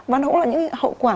và nó cũng là những hậu quả